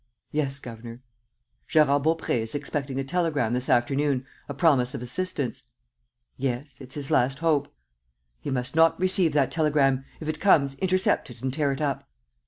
"Yes, governor." "Gérard Baupré is expecting a telegram this afternoon, a promise of assistance. ..." "Yes, it's his last hope." "He must not receive that telegram. If it comes, intercept it and tear it up."